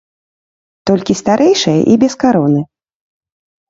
Толькі старэйшая і без кароны.